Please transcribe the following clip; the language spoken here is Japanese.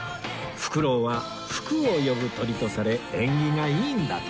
ふくろうは福を呼ぶ鳥とされ縁起がいいんだとか